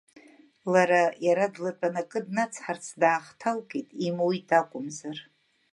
Лара иара длатәаны акы днацҳарц даахҭалкит, имуит акәымзар.